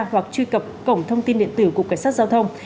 hoặc truy cập cổng thông tin điện tử cục cảnh sát giao thông